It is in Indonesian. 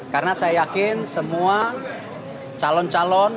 karena saya yakin semua calon calon